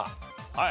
はい。